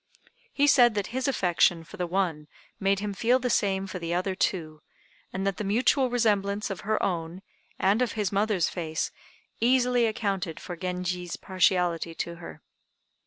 He said that his affection for the one made him feel the same for the other too, and that the mutual resemblance of her own and of his mother's face easily accounted for Genji's partiality to her.